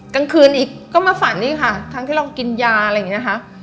กลางคืนอีกก็มาฝันอีกค่ะทั้งที่เรากินยาอะไรอย่างนี้นะคะ